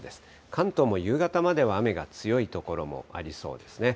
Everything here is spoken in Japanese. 関東も夕方までは雨が強い所もありそうですね。